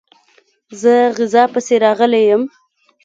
زه غزا پسي راغلی یم.